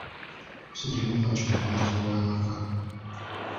Abasajja abamu batya obuvunaanyizibwa bw'amaka.